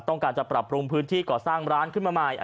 ต้องการจะปรับปรุงพื้นที่ก่อสร้างร้านขึ้นมาใหม่